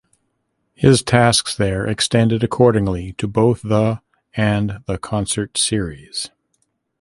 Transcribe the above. His tasks there extended accordingly to both the and the concert series.